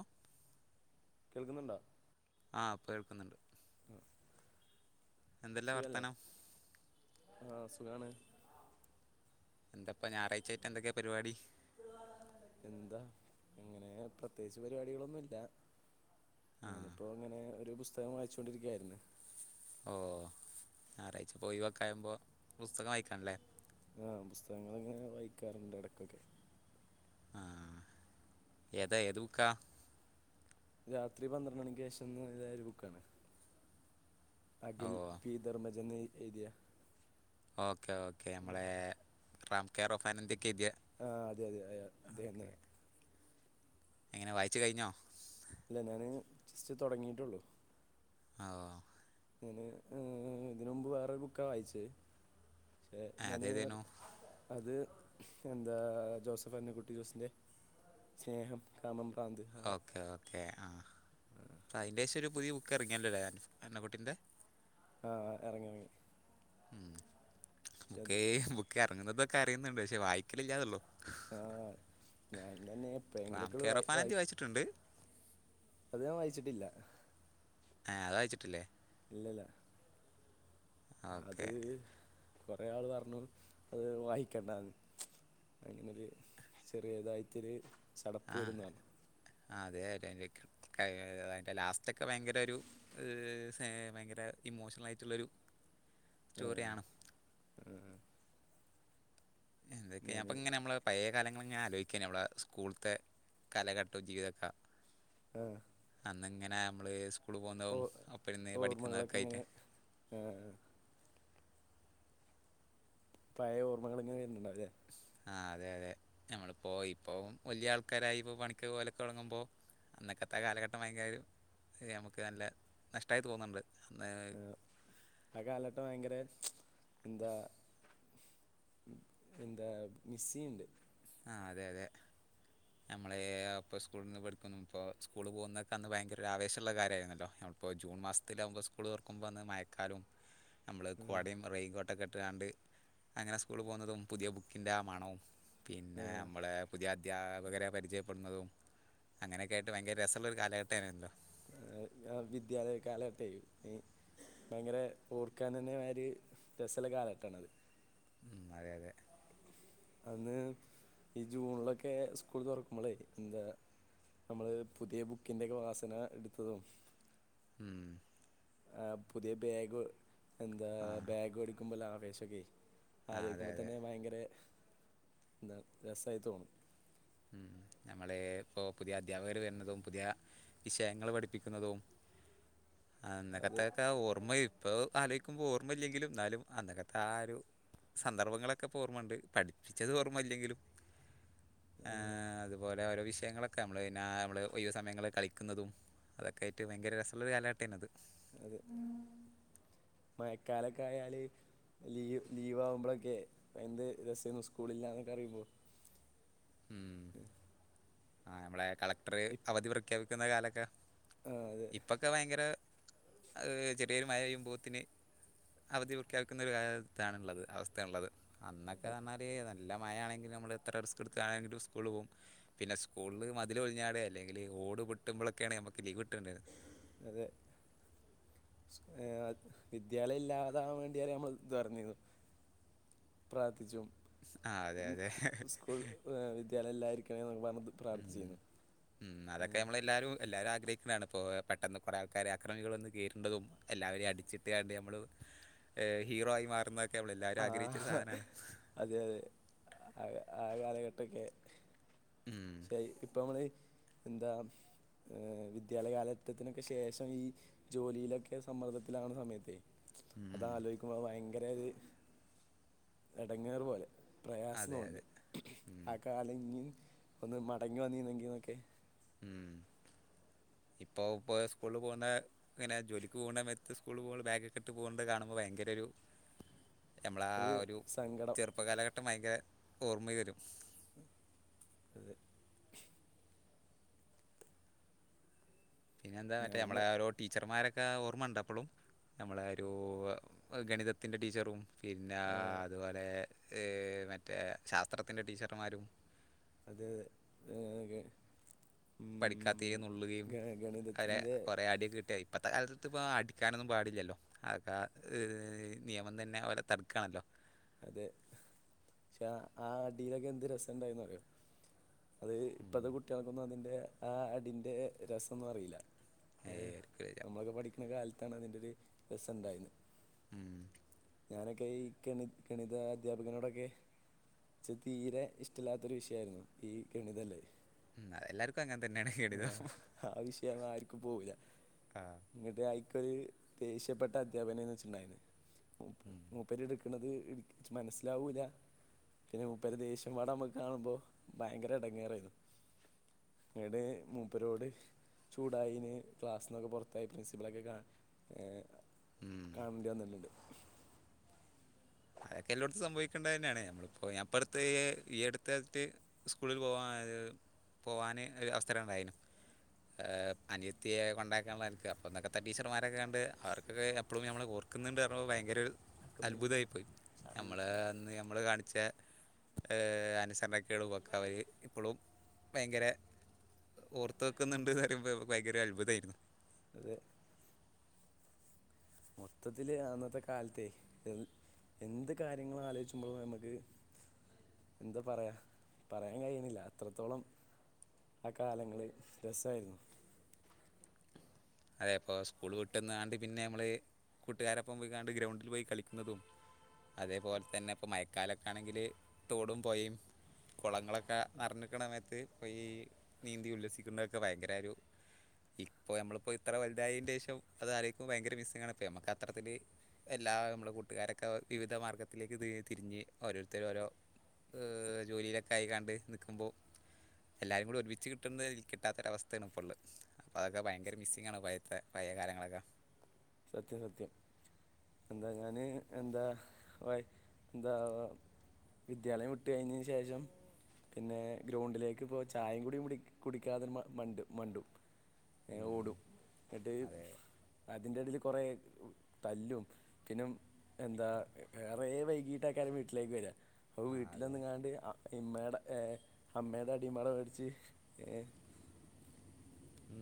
അഹ്. കേൾക്കുന്നുണ്ടോ? ആഹ് പ്പോ കേൾക്കുന്നുണ്ട്. എന്തെല്ലാ സുഖല്ലേ വർത്താനം ആഹ് സുഖാണ്. ഇപ്പൊ ഞായറാഴ്ചായിട്ട് എന്തൊക്കാ പരിപാടി? എന്താ അങ്ങനെ പ്രത്യേകിച്ച് പരിപാടികളൊന്നുംല്ല. ഞാനിപ്പോങ്ങനെ ഒരു പുസ്തകം വായിചോണ്ടിരിക്കായിരുന്നു. ഓഹ് ഞായറാഴ്ച പ്പൊയിവൊക്കെ ആവുമ്പോ പുസ്തകം വായിക്കാണ്ലേ? ആഹ് പുസ്തകങ്ങള്ങ്ങനെ വായിക്കാറ്ണ്ട് എടയ്ക്കൊക്കെ. ആഹ് ഏതാ എത് ബുക്ക്‌ ക? രാത്രി പന്ത്രണ്ട് മണിക്ക് ശേഷംഎനുള ഒരു ബുക്കാണ്. ഓ അഖിൽ പി ധർമ്മജൻ എഴുതിയ. ഓക്കെ ഓക്കെ ഉം. നമ്മളെ റാം കെയർ ഓഫൻ ന്തൊക്കെ എയ്തിയ. ആഹ് അതെ അതെ അയ അദ്ദേഹം തന്നെ. എങ്ങനെ വായിച്ചു കഴിഞ്ഞോ? ഇല്ല ഞാന് ജസ്റ്റ് തൊടങ്ങിട്ടൊള്ളൂ. ആഹ്. ഞാന് ഇതിന് മുമ്പ് വേറെ ബുക്കാ വായിചെയ്. ആ, എങ്ങനെ യർ. അതേതേനു അത് എന്താ ജോസഫ് അന്ന കുട്ടി ജോസിൻ്റെ സ്നേഹം. കാമം പ്രാന്ത്. ആ ഓക്കെ ഓക്കെ ആഹ് ആ, ഇപ്പോ അയിൻ്റെഷം ഒരു പുതിയ ബുക്ക് എറങ്ങില്ലല്ലേ അന്നക്കുട്ടിൻ്റെ. ആഹ് ആഹ് എറങ്ങി എറങ്ങി. ഉം അത് ബുക്ക് ബുക്ക് എറങ്ങുന്നതൊക്കെ അറിയുന്നുണ്ട് പക്ഷെ വായിക്കലില്ലാന്നേ ഉള്ളൂ ആഹ് ഞാൻ തന്നെ എപ്പഴെങ്കിലൊക്കെയുള്ളു വായി വായിക്ക ട്ടുണ്ട്. അത് ഞാൻ വായിച്ചിട്ടില്ല ഏഹ് അത് വായിച്ചിട്ടില്ലേ ഇല്ലില്ല അത് ഓക്കെ കൊറേ ആള് പറഞ്ഞു അത് വായിക്കണ്ടാന്ന്. അതിനൊരു ചെറിയ ഇതായിട്ടൊരു ചടപ്പ് വരൂന്ന് പറഞ്ഞു. ആഹ് അതെ [unintelligible] അതിന്റെ ലാസ്റ്റ് ഒക്കെ ഭയങ്കര ഒരു ഭയങ്കര ഇമോഷണലായിട്ടുള്ളൊരു [inaudible] സ്റ്റോറിയാണ് ആ ഇതൊക്കെ ഞാൻ അപ്പോ ഇങ്ങനെ നമ്മള് പയേ കാലങ്ങളിങ്ങനെ ആലോചിക്കാന് ഞമ്മടെ സ്കൂളിത്തെ കാലഘട്ടവും ജീവിതൊക്കെ ആഹ് അന്നിങ്ങനെ നമ്മള് സ്കൂളിൽ ഓ പോകുന്നതും ഒപ്പമിരുന്ന് പഠിക്കുന്നതൊക്കെ ആയിട്ട് ആഹ് പഴയ ഓർമ്മകൾ ഇങ്ങനെ വരുന്നുണ്ടാവും അല്ലേ ആഹ് അതെ അതെ നമ്മളിപ്പോ ഇപ്പോ വല്ല്യ ആൾക്കാരായി ഇപ്പോ പണിക്കൊക്കെ പോകലൊക്കെ തൊടങ്ങുമ്പോ അന്നക്കത്താ കാലഘട്ടം ഭയങ്കര ഒരു നമുക്ക് നല്ല നഷ്ടായി തോന്നുണ്ട് അന്ന് ആഹ് കാലഘട്ടം ഭയങ്കര എന്താ എന്താ മിസ്സ് ചെയ്യുന്നുണ്ട് ആഹ് അതെ അതെ നമ്മള് അപ്പ സ്കൂളീന്ന് പഠിക്കുന്നപ്പോ സ്കൂളിൽ പോകുന്നയൊക്കെ അന്ന് ഭയങ്കര ഒരു ആവേശമുള്ള കാര്യായിരുന്നല്ലോ ഇപ്പോ ജൂൺ മാസത്തിലാവുമ്പോ സ്കൂള് തുറക്കുമ്പോ അന്ന് മയക്കാലവും നമ്മള് ആ, കൊടയും റെയിൻകോട്ടൊക്കെ ഇട്ടാണ്ട് അങ്ങനെ സ്കൂളിൽ പോകുന്നതും പുതിയ ബുക്കിൻ്റെ ആ മണവും ആ, പിന്നെ നമ്മടെ പുതിയ അധ്യാപകരെ പരിചയപ്പെടുന്നതും അങ്ങനൊക്കെ ആയിട്ട് ഭയങ്കര രസള്ളൊരു കാലഘട്ടേനല്ലോ ആഹ് ആഹ് വിദ്യാലയ കാലഘട്ടവേ ഭയങ്കര ഓർക്കാനെന്നെ മാതിരി രസവുള്ള കാലഘട്ടമാണത് ഉം അതെ അതെ അന്ന് ഈ ജൂണിലൊക്കെ സ്കൂൾ തുറക്കുമ്പളേ എന്താ നമ്മള് പുതിയ ബുക്കിന്റെയൊക്കെ വാസന എടുത്തതും ഉം ആഹ് പുതിയ ബാഗ് എന്താ ബാഗ് മേടിക്കുമ്പോളുള്ള ആവേശമൊക്കെയെ ആ അതെ ആലോചിക്കുമ്പോ അതെ തന്നെ ഭയങ്കരെ രസവായി തോന്നും ഉം നമ്മള് ഇപ്പോ പുതിയ അദ്ധ്യാപകര് വരുന്നതും പുതിയ വിഷയങ്ങള് പഠിപ്പിക്കുന്നതും അത് അന്നക്കത്തെയൊക്കെ ഓർമ്മ ഇപ്പ ആലോചിക്കുമ്പോ ഓർമ്മയില്ലെങ്കിലും എന്നാലും അന്നക്കത്തെ ആ ഒരു സന്ദർഭങ്ങളൊക്കെ ഇപ്പോ ഓർമ്മയുണ്ട് പഠിപ്പിച്ചത് ഓർമ്മയില്ലെങ്കിലും ആ, ഏ അതുപോലെ ഓരോ വിഷയങ്ങളൊ ക്കെ നമ്മള് പിന്നെ ആ നമ്മള് ഒഴിവ് സമയങ്ങളിൽ കളിക്കുന്നതും അതൊക്കെ ആയിട്ട് ഭയങ്കര രസള്ളൊരു കാലഘട്ടമായിരുന്നു അത് അതെ മയക്കാലൊക്കായാല് ലീവ് ലീവാവുമ്പളൊക്കെയെ എന്ത് രസേന്നു സ്കൂളില്ലാന്നൊക്കെ അറിയുമ്പോൾ ഉം ആ നമ്മളെ കളക്ടർ ഇപ്- അവധി പ്രഖ്യാപിക്കുന്ന കാലൊക്കെ ആ, അതെ ഇപ്പൊക്കെ ഭയങ്കര ചെറിയൊരു മഴ പെയ്യ്മ്പോത്തിന് അവധി പ്രഖ്യാപിക്കുന്ന ന്നഒരു കാലത്താണ്ണുള്ളത് അവസ്ഥയാണുള്ളത് അന്നൊക്കെ ന്നർഞ്ഞാൽ നല്ല മഴാണെങ്കിലും നമ്മള് എത്ര റിസ്ക് ട്ത്താണെങ്കിലും സ്കൂള് പോകും പിന്നെ സ്കൂളിൽ മതിൽ പൊള്ഞ്ഞാടെ അല്ലെങ്കിൽ ഓട് പൊട്ടുമ്പളൊക്കേണ് നമുക്ക് ലീവ് കിട്ട്ണെ അതെ വിദ്യാലയ ല്ലാതാവാൻ വേണ്ടിവരെ നമ്മൾ ദുആര്ന്നീര്ന്നു പ്രാർത്ഥിച്ചും ആ അതെ ഉം അതെ സ്കൂൾ എ സെലല്ലാതിർക്കണേ ന്നൊക്കെ പറഞ് ദു ഉം ഉം അതൊക്കെ നമ്മളെല്ലാരും എല്ലാവരും ആഗ്രഹിക്ക്‌ണാണ് പ്പോ പെട്ടെന്ന് കൊറെആൾക്കാര ക്രമികളന്ന് കേറ്ണ്ടതും എല്ലാവരെയും അടിച്ചിട്ട് കണ്ട് നമ്മൾ ഹീറോ ആയി മാറുന്നതൊ ക്കെ നമ്മൾ എല്ലാരും ആഗ്രഹിച്ചരു ആഹ് സാധനാണ് അതെ യതെ ആ ആ കാലഘട്ടൊക്കെ ഉം ഇപ്പൊ നമ്മള് എന്താ വിദ്യാലയ കാലഘട്ടത്തിനൊക്കെ ശേഷം ഈ ജോലിയിലൊക്കെ സമ്മർദ്ദത്തിലാവണ സമയത്തെ ഉം അതാലോയിക്കുമ്പോ ഭയങ്കര ഒരു എടങ്ങേറ് പോലെ പ്രയാസം അതെ തോന്നുണ്ട് അതെ ഉം ആ കാലം ഇഞ്ഞി ഒന്ന് മടങ്ങി വന്നിന്നെങ്കിൽന്നൊക്കെ [inaudible] ഇപ്പോ പോയ സ്കൂളിൽ പോണ ഇങ്ങനെ ജോലിക്ക് പോകണ്ട സമയത്ത് സ്കൂൾ പോ ബാഗക്കെട്ട് പോകണത് കാണുമ്പോ ഭയങ്കര ഒരു [inaudible] നമ്മളാ ഒരു ചെറുപ്പ കാലഘട്ടം ഭയങ്കര ഓർമ്മ വരും അതേ പിന്നെന്താ മറ്റേ നമ്മളെ ഞാനിന്ന് ഒരു ടീച്ചർമാരൊക്കെ ഓർമ്മണ്ടൊ പ്പോളും നമ്മളെ ഒരു ഗണിതത്തിൻ്റെ ടീച്ചറും പിന്നാ അതുപോലെ മറ്റേ ശാസ്ത്രത്തിൻ്റെ ടീച്ചർമാരും അതേ അതെ പഠിക്കാതേനു നുള്ളുകയും അരെ ഗണിതത്തിൻ്റെ കുറെ അടിയൊക്കെ കിട്ടിയ ഇപ്പോഴത്തെ കാ ലത്ത് പ്പോ അടിക്കാനൊന്നും പാടില്ലല്ലോ അതൊക്കെ നിയമം തന്നെ ഓരെ തടുക്കാണല്ലോ അതെ ക്ഷെ ആ അടിയിലൊക്കെ എന്ത് രസണ്ടായിന്ന് അറിയോ അത് ഇപ്പത്തെ കുട്ടികൾക്കൊന്നും അതിന്റെ ആ അടിന്റെ രസൊന്നും അറീല്ല ഏ ഏഹ്, ആയിരിക്കില്ല നമ്മളൊക്കെ പഠിക്കുന്ന കാലത്താണ് അതിന്റെറ ഒരു രസണ്ടായീന്നത് ഉം ഞാനൊക്കെ ഈഗണി ഗണിത അധ്യാപകനോടൊക്കെ ഇച്ച് തീരെ ഇഷ്ടല്ലാത്തൊരു വിഷയയിരുന്നു ഈ ഗണിതല് ഉം അ തെല്ലാർക്കും അങ്ങനെ തന്നെണ് ആഹ്ആ വിഷയൊന്നും ആർക്കും പോവൂല്ല ആ. എന്നിട്ട് അയിക്ക്‌ഒരു ദേഷ്യപ്പെട്ട അധ്യാപനന്ന് ച്ചുണ്ടായിരുന്നത് മൂപ്പരുടെ ക്കണത് ഇച്ച് മനസ്സിലാവൂല പിന്നെ മുപ്പരെ ദേഷ്യപാടെ നമുക്ക് കാണുമ്പോഭയങ്കര എടങ്ങേറയിരുന്നു ങ്ങട് മൂപ്പരോട് ചൂടായിന് ക്ലാസ്സിന്നൊക്കെ പുറത്താക്കി പ്രിൻസിപ്പളൊക്കെ കാ ഉം കാണണ്ടി വന്നിട്ടുണ്ട് എല്ലോട്ത്തും സംഭവിക്കേണ്ടതന്നേണ് നമ്മളിപ്പോ ഞാൻപ്പടുത് ഈ അടുതാൽത്ത് സ്കൂൾല് പോവാ പോവാന് ഒര് അവസരം ഉണ്ടായിരുന്നു. അനിയത്തിയെ കൊണ്ടാക്കാന്നെലക്ക് അപ്പോ [unintelligible] ടീച്ചർമാരൊക്ക കണ്ട് അവർക്കൊക്കെ എപ്പളും നമ്മളെ ഓർ ർക്കുന്നുണ്ട് പറഞ്ഞപ്പോ ഭയങ്കര ഒരു അത്ഭുതായി പ്പോയി സാറ് ഞമ്മളെ വിളിച്ചിട്ടുണ്ടായിരുന്നു അന്ന് നമ്മള് കാണി ച്ച ആ അനുസരണക്കേളുമൊക്കെ അവര് ഇപ്പോഴും ഭയങ്കര ഓർത്ത് വെക്കുന്നുണ്ട് പറീമ്പോ നമ്മക്ക് ഭയങ്കര അത്ഭുതായിരുന്നു. [inaudible] മൊത്തത്തില് അന്നത്തെ കാൽതെയ് എന്ത് കാര്യങ്ങളും ആലോയ്ച്ചുമ്പോളും ഞമ്മക്ക് എന്താ പറയാ പറയാൻ കഴിയ്ണില്ല അത്രത്തോളം ആ കാലങ്ങള് രസായിരുന്നു. അതെ പ്പോ സ്കൂൾ വിട്ടന്നാണ്ട് പിന്നെ മ്മള് കൂട്ടാരൊപ്പം പോയി ങ്ങാണ്ട് ഗ്രൗണ്ടിൽ പോയി കളിക്കുന്നതും അതേപോലെ തന്നെ ഇപ്പ മയക്കാലൊക്കെ ആണെങ്കില് തോടും പൊയേം കൊളങ്ങളൊക്കെ നേറഞ്ഞിക്ക്ണ നേരത്ത് ഇ ഈ നീന്തി ഉല്ലസിക്കുന്നതൊക്കെ ഭയങ്കര ഒരു ഇപ്പൊ നമ്മളിപ്പോ ഇത്ര വലുതായീന്റെ ശേഷം അതാലോയ്ക്കുമ്പോ ഭയങ്കര മിസ്സിങ്ങ് ആണ് ഇപ്പ ഞമ്മക്ക് അത്രത്തില് എല്ലാ മ്മളെ കൂട്ടുകാരൊക്കെ വിവിധ മാർഗത്തിലേക്ക് തി തിരിഞ്ഞ് ഓരോരുത്തരു ഓരോ ജോലിയിലൊക്കെ ആയി ങ്ങാണ്ട് നിക്കുമ്പോ എല്ലരും കൂടെ ഒരുമിച്ച് കിട്ടുന്നത് കിട്ടാത്തൊര അവസ്തേണ് ഇപ്പോള്ളത്. അതൊക്കെ ഭയങ്കര മിസ്സിങ്ങാണ് പയത്തെ പയേ കാലങ്ങളൊക്കെ. സത്യം സത്യം. എന്താ ഞാന് എന്താ വാ ന്താ വിദ്യാലയം വിട്ടുകഴിഞ്ഞീന് ശേഷം പിന്നെ ഗ്രൗണ്ടിലേക്കിപ്പോ ചായിം കൂടി കുടി കുടിക്കാതെ മ മണ്ട് മണ്ടും. ഏ ഓടും ന്ന്ട്ട് അതെ അതിന്റെടീല് കൊറേ തല്ലും പിന്നെ എന്താ ഏറെ വൈകീട്ടൊക്കെയാണു വീട്ടിലേക്കു വരാ. അപ്പൊ ആ അതെ വീട്ടിലന്ന്ങ്ങാണ്ട് അ ഇമ്മേടേ ഏ അമ്മേടേ അടിംബാടെ മേടിച്ച് ഏ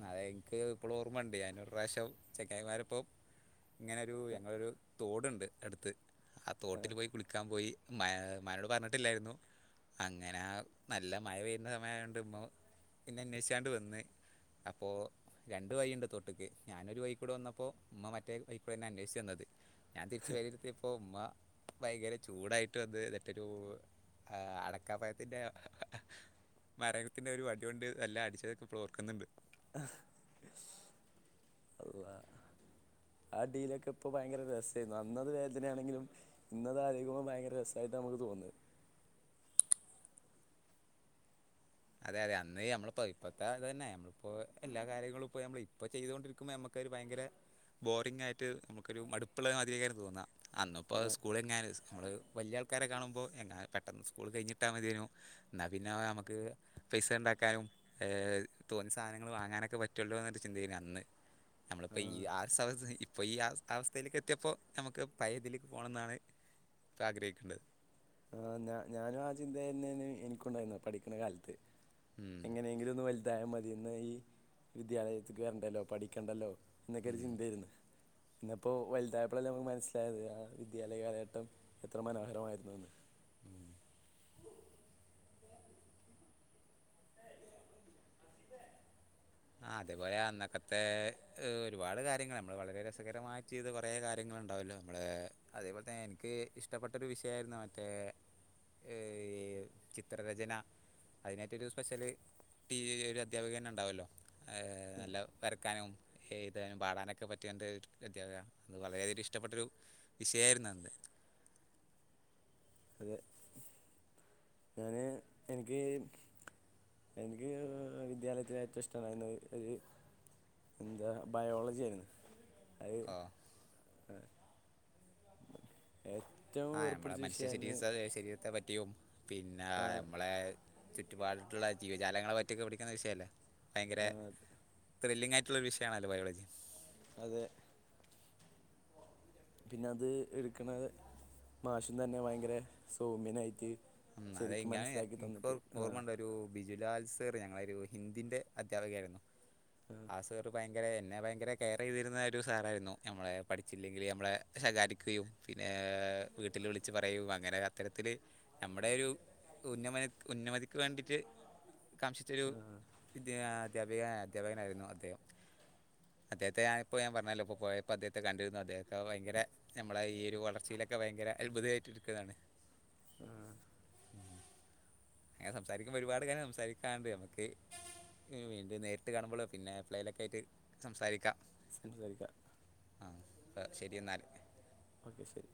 അയ് ക്ക് പ്പളും ഓർമ്മണ്ട് ഞാനൊരു പ്രാവശ്യം ചെങ്ങായിമാരപ്പം ഇങ്ങനെയൊരു ഞങ്ങളൊരു തോട്ണ്ട് അടുത്ത് ആ തോട്ടില് പോയികുളിക്കാൻ പോയി ഉമ്മാ ഉമ്മാനോടു പറഞ്ഞിട്ടില്ലായിരുന്നു. അങ്ങനെ ആഹ് നല്ല മഴ പെയ്യുന്ന സമയായൊണ്ട് ഉമ്മ പിന്നെ അന്വേഷിച്ചാണ്ട് വന്ന്. അപ്പോ രണ്ടുവഴിണ്ട് തൊട്ടിക്ക് ഞാനൊരു വഴിയികൂടെവന്നപ്പോ ഉമ്മ മറ്റേ വഴീക്കൂടെ ന്നെന്വേഷിച്ചു വന്നത്. ഞാൻ തിരിച്ചു പേരീല് ലത്തിപ്പോ ഉമ്മ ഭയങ്കരചൂടായിട്ടുവന്ന് മറ്റൊരു ആ അടക്കാപഴത്തിന്റെ നാരകത്തിന്റെയൊരു വടിയൊണ്ട് എല്ലാം അടിച്ചതൊക്കെയിപ്പോളോർക്കുന്നുണ്ട്. അള്ളാ. ആഹ് ഡീലൊക്കെപ്പൊ ഭയങ്കര രസെര്ന്നു അന്നതുവേദനയാണെങ്കിലും. ഇന്നത്‌ ആലോയിക്കുമ്പോ ഭയങ്കര രസായിട്ട നമുക്കുതോന്ന്. അതെ അതെ അന്ന് നമ്മള്പ്പോ ഇപ്പത്തെയതു തന്നെ. പ്പൊ എല്ലാ കാര്യങ്ങളും ഇപ്പ ഞമ്മള് ഇപ്പൊ ചെയ്തൊണ്ടിരിക്കുമ്പോ ഞമ്മക്കരു ഭയങ്കരേ ബോറിങ്ങായിട്ട് നമുക്കൊരു മടുപ്പുള്ള മാതിരിയ്ക്കാരം തോന്ന്ആ അന്ന് പ്പോ ആ, സ്കൂള് ഏ നമ്മളു വല്ല്യയ ആൾക്കാരെ കാണുമ്പോ എങ്ങാ പെട്ടെന്ന് സ്കൂള് കഴിഞ്ട്ടാ മതിയാര്ന്നു ന്നാപിന്നെ ഞമ്മക്ക് പൈസയുണ്ടാക്കാനും ഏഹ് തോന്നിയസാധനങ്ങള് വാങ്ങാനൊക്കെ പറ്റുള്ളൂ ചിന്തയിലന്ന് ആ, നമ്മള്പ്പോ യീ ആഹ് സമയത്ത് ഇപ്പൊയീ ആ അവസ്ഥയിൽ ക്കെത്തിയപ്പോ നമുക്ക് പയേതില് പോണന്നാണ് പ്പ ആഗ്രഹിക്കേണ്ടത്. ആഹ്, ഞാ. ഞാനും ആചിന്തതന്നെയാണെനിക്കുണ്ടായിരുന്നെ, പഠിക്കണ കാലത്ത് ഉം എങ്ങനെയെങ്കിലൊന്ന് വൽതായമതിയേന്ന ഈ വിദ്യാലയത്തിക്ക് വെർണ്ടല്ലോ പഠിക്കണ്ടല്ലോ എന്നൊക്കെര് ഉം ചിന്തേര്ന്ന് ഇന്ന്പ്പൊ വൽതായപ്പളല്ലേ നമുക്ക്മനസ്സിലായത് ആ വിദ്യാലയകാലഘട്ടം എത്ര മനോഹരമായിരുന്നുഎന്ന് ആഹ് അതേപോലെ അന്നക്കത്തെ ഇ ഒരുപാടുകാര്യങ്ങള് നമ്മള് വളരെ രസകരമാക്കെയ്തകുറെ കാര്യങ്ങളുണ്ടാവൊല്ലോ മ്മളേ അതേപോൽതന്നെ എനിക്ക് ഇഷ്ടപ്പെട്ടൊരു വിഷയയിരുന്നു മറ്റേ എ ഈ ചിത്രരചന അയ്നായിട്ടൊരു സ്പെഷ്യല് ടീ ഒരു അധ്യാപക തന്നെഇണ്ടാവൊല്ലോ അഹ് നല്ല വരക്കാനും, എഴുതാനും പാടാനൊക്കെപറ്റിയ എന്ത് [unintelligible] അധ്യപിക അന്ന് വളരെയധികൊരു ഇഷ്ടപ്പെട്ടൊരു വിഷയേയ്ര്ന്നന്ന് അത് ഞാന് എനിക്ക് എനിക്ക് വിദ്യാലയത്തിലേറ്റവും ഇഷ്ടമായിരുന്നയൊരു ഒര് എന്താ, ബയോളജിയായിരുന്നു അത് ഓ ഏ ആഹ്, നമ്മളെമനുഷ്യ ശരീസ്തത് ശരീരത്തെ പറ്റിയും പിന്നെ ആ അമ്മളെ ചുറ്റുപാടത്തുള്ള ജീവജാലങ്ങളെപറ്റിയൊക്കെ പഠിക്കുന്ന വിഷയല്ലേ ഭയങ്കരെ ആ ത്രില്ലിംങ്ങായിറ്റ്ള്ള ഒരു വിഷയാണല്ലോ ബയോളജി അതെ പിന്നെ അത് ഇട്ക്ക്ണത് മാഷുംതന്നെ ഭയങ്കര സൗമ്യനായിറ്റ് അത് ശരിക്കും ഞാൻ മനസ്സിലാക്കി എനിക്ക് തന്നിട്ട് ആഹ് ഓർമ്മയുണ്ട് ഒരു ബിജുലാൽ സേറ് ഞങ്ങളൊരുഹിന്ദിന്റെ അധ്യാപകയായിരുന്നു ആ സേറ് ഭയ ങ്കരെ എന്നെ ഭയങ്കരെ കെയർചെയ്തിരുന്ന ഒരു സാറായിരുന്നു. ഞമ്മളെ പഠിച്ചില്ലെങ്കിലും ഞമ്മളെ ശകാരിക്കുകയും പിന്നെ വീട്ട്ല് വിളിച്ചുപറയും അങ്ങനെഅത്തരത്തില് ഞമ്മടെയൊരു ഉന്നമന ഉന്നമതിക്കുവേണ്ടിയിട്ട് കാംഷിച്ചൊരു ആ വിദ്യ അധ്യാപിക അധ്യാപകനായിരുന്നു അദ്ദേഹം അദ്ദേഹത്തെ ആഹ് ഇപ്പോഞാൻ പറഞ്ഞല്ലോ ഇപ്പോ പോയപ്പോ അദ്ദേഹത്തെ കണ്ടിരുന്നു അദ്ദേത്തെ ഭയങ്കരെ ഞമ്മളെ ഈ ഒരു വളർച്ചയിലൊക്കെ ഭയങ്കര അത്ഭുതമായിട്ടിരിക്കേതാണ് ആഹ് അങ്ങനെ സംസാരിക്കുമ്പോ ഒരുപാട് കാര്യം സംസാരിക്കാണ്ട് നമുക്ക് വീണ്ടും നേരിട്ട് കാണുമ്പളോ പിന്നെ എപ്പളേലൊക്കെ ആയിട്ട് സംസാരിക്കാ സംസാരിക്ക ആഹ് ശരി എന്നാല് ഓക്കെ ശരി